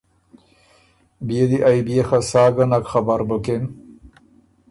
بيې دی ائ بيې خه سا ګه نک خبر بُکِن